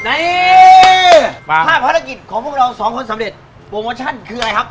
นี่ถ้าภารกิจของพวกเราสองคนสำเร็จโปรโมชั่นคืออะไรครับ